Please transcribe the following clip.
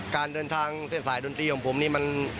การเดินทางเส้นสายดนตรีของผมนี่มัน